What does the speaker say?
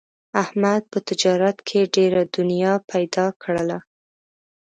احمد په تجارت کې ډېره دنیا پیدا کړله.